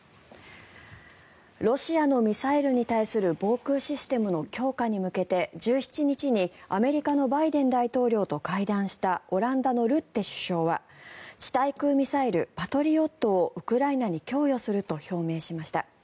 ロシアのミサイルに対する防空システムの強化に向けて１７日にアメリカのバイデン大統領と会談したオランダのルッテ首相は地対空ミサイル、パトリオットをウクライナに供与すると表明しました。